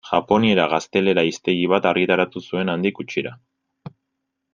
Japoniera-gaztelera hiztegi bat argitaratu zuen handik gutxira.